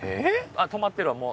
あっ止まってるわもう。